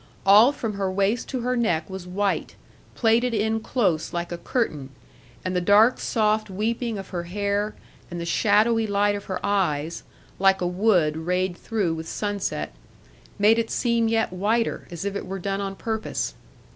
All from her waist to her neck was white, plaited in close like a curtain, and the dark soft weeping of her hair, and the shadowy light of her eyes (like a wood rayed through with sunset), made it seem yet whiter, as if it were done on purpose.